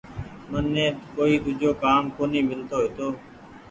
مني ڪوئي ۮوجو ڪآم ڪونيٚ ميلتو هيتو۔